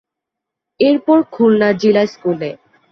এর পর খুলনা জিলা স্কুলে।